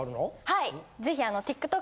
はい。